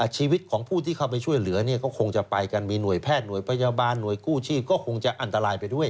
ชีวิตของผู้ที่เข้าไปช่วยเหลือเนี่ยก็คงจะไปกันมีหน่วยแพทย์หน่วยพยาบาลหน่วยกู้ชีพก็คงจะอันตรายไปด้วย